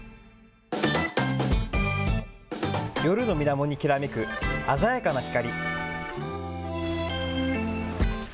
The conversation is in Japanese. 夜のみなもにきらめく鮮やかな光。